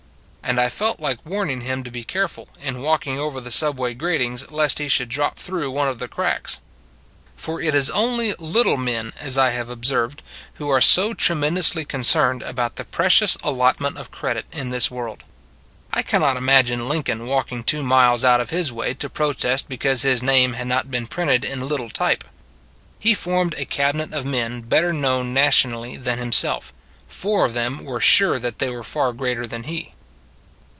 And I felt like warning him to be care ful, in walking over the subway gratings, lest he should drop through one of the cracks. For it is only little men, as I have ob served, who are so tremendously concerned about the precise allotment of credit in this world. 68 I can not imagine Lincoln walking two miles out of his way to protest because his name had not been printed in little type. He formed a Cabinet of men better known nationally than himself: four of them were sure that they were far greater than he.